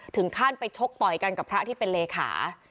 ถึงขั้นไปชกต่อยกันกับพระที่เป็นเลขา